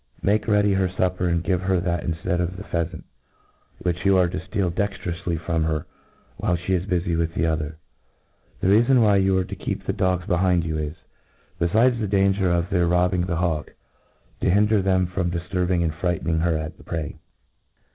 Make ready her fupper, and give her that inftcad of thc;^ pheafant, which you arc to ileal dextroufly from: her while flic is bufy with the other. The reafon why you arc to keep the dogs be * hind you is, befidies the danger of their robbing the hawk, to hinder them from difturbing a^id frightening her at her prey.